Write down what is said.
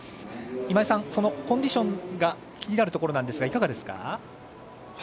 今井さん、コンディションが気になるところなんですがいかがですか？